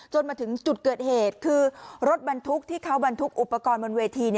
มาถึงจุดเกิดเหตุคือรถบรรทุกที่เขาบรรทุกอุปกรณ์บนเวที